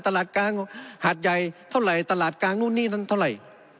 ตลาดกลางหาดใหญ่เท่าไหร่ตลาดกลางนู่นนี่นั่นเท่าไหร่